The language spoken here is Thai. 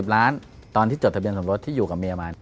ล้านตอนที่จดทะเบียนสมรสที่อยู่กับเมียมา